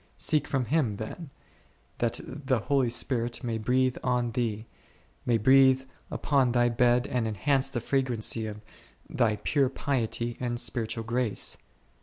Seek from Him then, that the Holy Spirit may breathe on thee, may breathe upon thy bed and enhance the fragrancy of thy pure piety and spiritual grace.